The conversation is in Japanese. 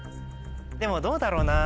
でもどうだろうな。